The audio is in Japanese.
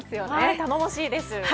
頼もしいです。